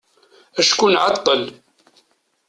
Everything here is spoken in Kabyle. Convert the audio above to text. Acku nɛeṭṭel.